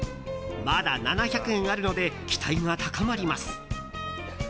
まだ７００円あるので期待が高まります。